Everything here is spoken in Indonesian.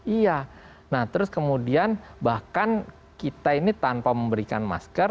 iya nah terus kemudian bahkan kita ini tanpa memberikan masker